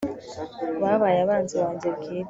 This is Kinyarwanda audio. babaye abanzi banjye bwite